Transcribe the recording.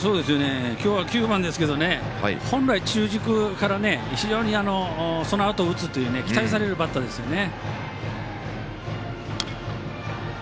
今日は９番ですけど本来、中軸から非常にそのあとを打つって期待されるバッターですよね。